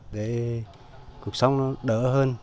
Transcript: để cuộc sống nó đỡ hơn